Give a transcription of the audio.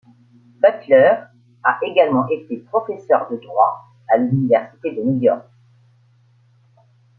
Butler a également été professeur de droit à l'université de New York.